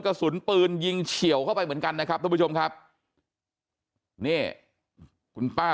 กระสุนปืนยิงเฉียวเข้าไปเหมือนกันนะครับทุกผู้ชมครับนี่คุณป้า